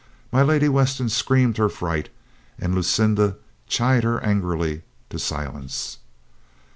My Lady Weston screamed her fright, and Lucinda chid her angrily to silence.